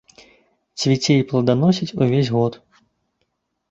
Цвіце і пладаносіць увесь год.